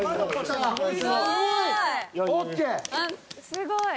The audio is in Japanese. すごい。